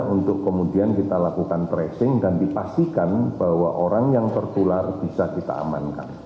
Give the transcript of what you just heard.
untuk kemudian kita lakukan tracing dan dipastikan bahwa orang yang tertular bisa kita amankan